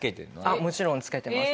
あっもちろん付けてます